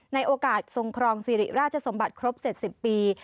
ในโอกาสทรงครองสิริราชสมบัติครบ๗๐ปี